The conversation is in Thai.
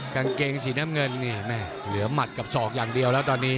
กางเกงสีน้ำเงินเหลือมัดกับ๒อย่างเดียวแล้วตอนนี้